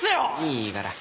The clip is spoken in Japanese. いいから。